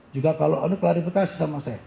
juga kalau anda klarifikasi sama saya